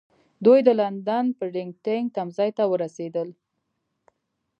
دوی د لندن پډینګټن تمځای ته ورسېدل.